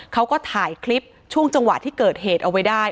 เขาก็ถ่ายคลิปช่วงจังหวะที่เกิดเหตุเอาไว้ได้